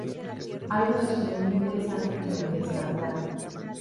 Hay una versión muy interesante que no hay que descartar.